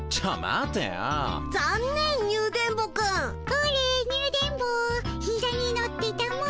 これニュ電ボひざに乗ってたも。